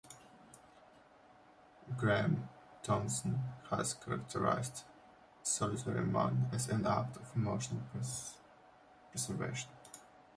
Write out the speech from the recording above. Graeme Thomson has characterized "Solitary Man" as an act of emotional preservation.